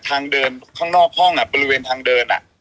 ทางเดินข้างนอกห้องบริเวณทางเดิน